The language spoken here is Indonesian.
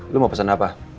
lo mau pesen apa